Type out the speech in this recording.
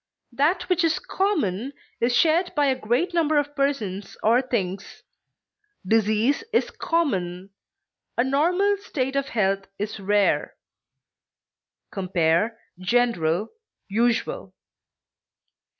That which is common is shared by a great number of persons or things; disease is common, a normal state of health is rare. Compare GENERAL; USUAL.